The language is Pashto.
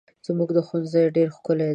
زموږ ښوونځی ډېر ښکلی دی.